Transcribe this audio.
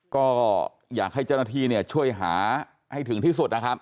ก็อยากให้เจ้าหน้าที่ช่วยหาให้ถึงที่สุดนะครับ